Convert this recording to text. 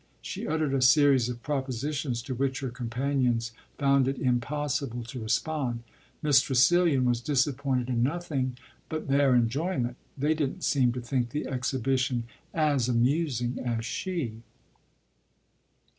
She uttered a series of propositions to which her companions found it impossible to respond. Miss Tressilian was disappointed in nothing but their enjoyment: they didn't seem to think the exhibition as amusing as she.